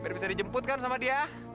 biar bisa dijemput kan sama dia